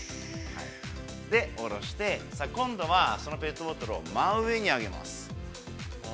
おろして、今度はそのペットボトルを、真上に上げます。